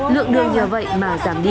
lượng đường như vậy mà giảm đi